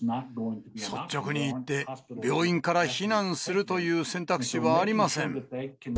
率直に言って、病院から避難するという選択肢はありません。